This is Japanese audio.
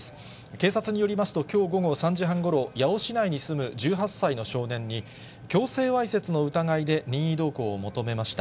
警察によりますと、きょう午後３時半ごろ、八尾市内に住む１８歳の少年に、強制わいせつの疑いで任意同行を求めました。